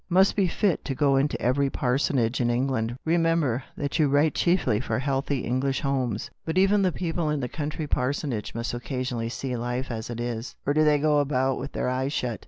Must be fit to go into every parsonage in England. Kemem ber that you write chiefly for healtly Eng lish homes." ____" But even the people in the country par sonage must occasionally see life as it is— or do they go about with their eyes shut?"